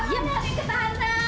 jangan nikah anak